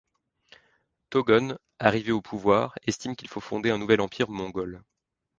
Thogon, arrivé au pouvoir, estime qu’il faut fonder un nouvel empire mongol.